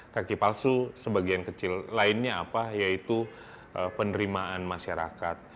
kaki palsu sebagian kecil lainnya apa yaitu penerimaan masyarakat